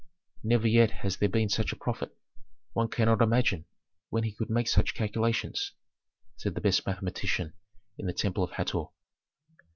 "Never yet has there been such a prophet. One cannot imagine when he could make such calculations," said the best mathematician in the temple of Hator.